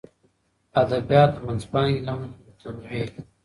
ادبیات د منځپانګې له مخې متنوع دي.